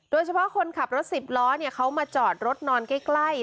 โดยเฉพาะคนขับรถ๑๐ล้อเขามาจอดรถนอนใกล้